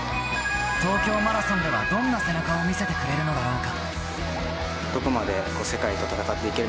東京マラソンでは、どんな背中を見せてくれるのだろうか。